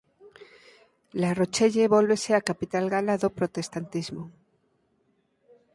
La Rochelle vólvese a capital gala do protestantismo.